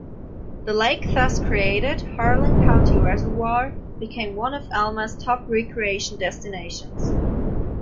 The lake thus created, Harlan County Reservoir, became one of Alma's top recreation destinations.